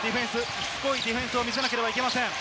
しつこいディフェンスを見せなければいけません。